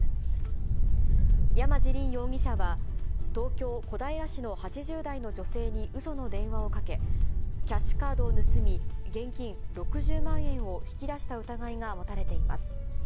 山地凜容疑者は、東京・小平市の８０代の女性にうその電話をかけ、キャッシュカードを盗み、現金６０万円を引き出した疑いが持たれています。